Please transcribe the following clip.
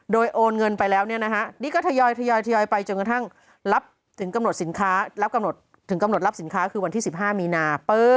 โดยโอนเงินไปแล้วเนี่ยนะฮะนี่ก็ทยายไปจนกระทั่งรับถึงกำหนดรับสินค้าคือวันที่๑๕มีนา